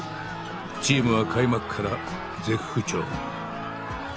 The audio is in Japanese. チームは開幕から絶不調。